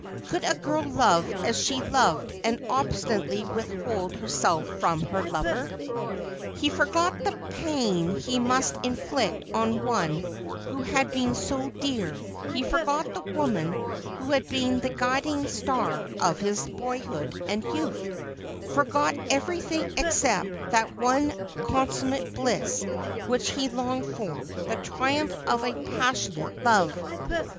Could a girl love as she loved, and obstinately withhold herself from her lover ? He forgot the pain he must inflict on one who had been so dear ; forgot the woman who had been the guiding star of his boyhood and youth ; forget everything except that one con summate bliss which he longed for — the triumph of a passion ate love.